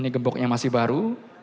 ini gemboknya masih baru